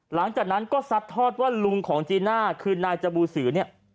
หลังจากนั้นก็ซัดทอดว่าลุงของจีน่าคือนายจบูสือเนี่ย